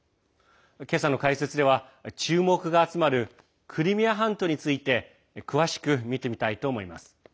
今朝の解説では、注目が集まるクリミア半島について詳しく見てみたいと思います。